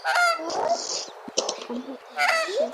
অন্যথায় বাদশাহর আইনে তার সহোদরকে সে আটক করতে পারত না।